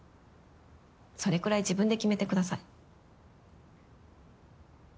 それくらい自分で決めてください。